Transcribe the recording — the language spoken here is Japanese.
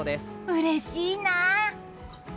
うれしいな！